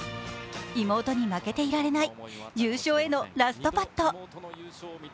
妹に負けていられない優勝へのラストパット。